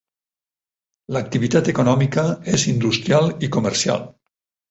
L'activitat econòmica és industrial i comercial.